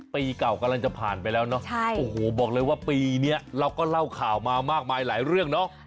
ปีเก่ากำลังจะผ่านไปแล้วเนอะโอ้โหบอกเลยว่าปีนี้เราก็เล่าข่าวมามากมายหลายเรื่องเนาะ